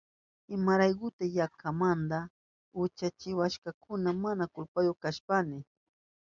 ¿Imaraykuta yankamanta uchachiwashkakuna mana kulpayu kashpayni?